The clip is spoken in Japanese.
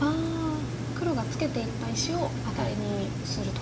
黒がツケていった石をアタリにすると。